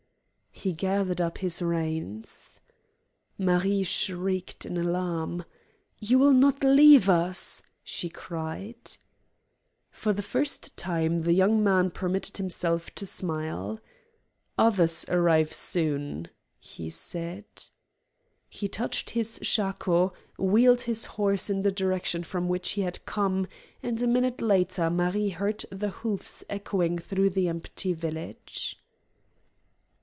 He gathered up his reins. Marie shrieked in alarm. "You will not leave us?" she cried. For the first time the young man permitted himself to smile. "Others arrive soon," he said. He touched his shako, wheeled his horse in the direction from which he had come, and a minute later Marie heard the hoofs echoing through the empty village.